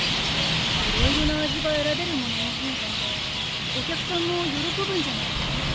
いろいろな味がえらべるもののほうがお客さんもよろこぶんじゃないか？